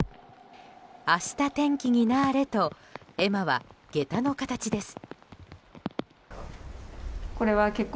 明日天気になーれと絵馬は、げたの形です。